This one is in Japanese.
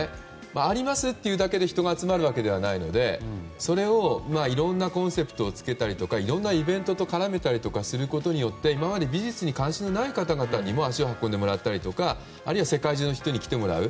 ありますというだけで人が集まるわけではないのでそれにいろんなコンセプトをつけたりとかいろんなイベントと絡めたりすることによって今まで、美術に関心がない方にも足を運んでもらったりとかあるいは世界中の人に来てもらう。